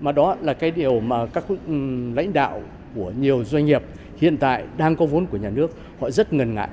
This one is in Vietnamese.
mà đó là cái điều mà các lãnh đạo của nhiều doanh nghiệp hiện tại đang có vốn của nhà nước họ rất ngần ngại